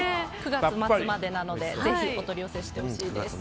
９月末までなのでぜひお取り寄せしてほしいです。